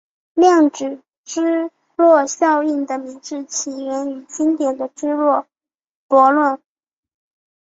量子芝诺效应的名字起源于经典的芝诺悖论。